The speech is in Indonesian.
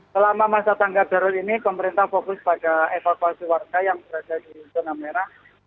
selama masa tanggap darurat ini pemerintah fokus pada evakuasi warga yang berada di zona merah